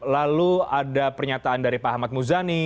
lalu ada pernyataan dari pak ahmad muzani